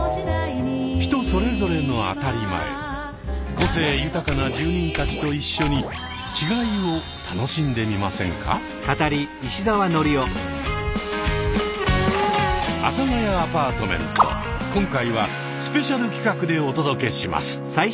個性豊かな住人たちと一緒に「阿佐ヶ谷アパートメント」今回はスペシャル企画でお届けします。